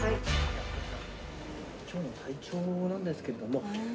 今日の体調なんですけれども。